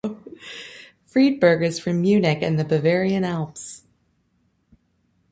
Friedberg is from Munich and the Bavarian Alps.